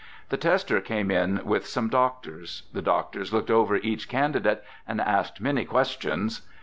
The tester came in with some doctors. The doctors looked over each candidate and asked many questions.